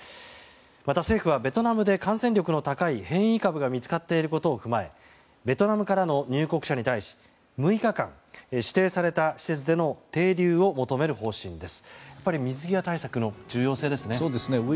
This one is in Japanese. また、政府はベトナムで感染力の高い変異株が見つかっていることを踏まえベトナムからの入国者に対し６日間、指定された施設での停留を求める方針です。